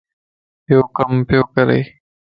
هو ڪم ٻيو ڪري